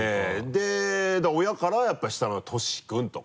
でだから親からやっぱ下の「とし君」とか。